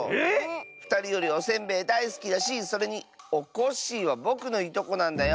ふたりよりおせんべいだいすきだしそれにおこっしぃはぼくのいとこなんだよ。